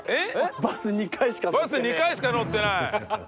バス２回しか乗ってない。